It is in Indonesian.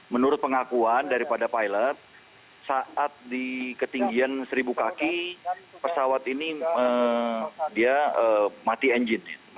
menurut pengakuan daripada pilot saat di ketinggian seribu kaki pesawat ini dia mati engine